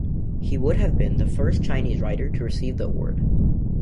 He would have been the first Chinese writer to receive the award.